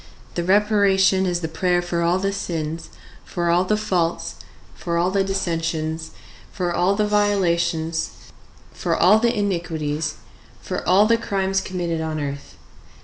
The reparation is the prayer for all the sins, for all the faults, for all the dissensions, for all the violations, for all the iniquities, for all the crimes committed on earth.